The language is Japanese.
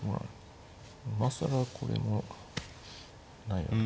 今更これもないよな。